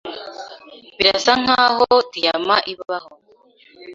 Birasa nkaho diyama ibaho.